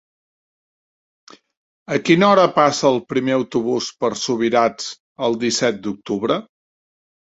A quina hora passa el primer autobús per Subirats el disset d'octubre?